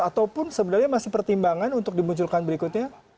ataupun sebenarnya masih pertimbangan untuk dimunculkan berikutnya